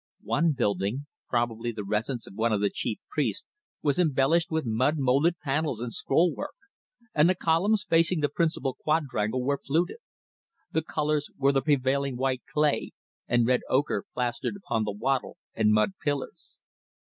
One building, probably the residence of one of the chief priests, was embellished with mud moulded panels and scroll work, and the columns facing the principal quadrangle were fluted. The colours were the prevailing white clay, and red ochre plastered upon the wattle and mud pillars.